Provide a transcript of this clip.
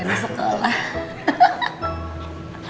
senang campur sendiri lah pasti